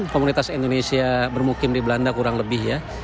komunitas indonesia bermukim di belanda kurang lebih ya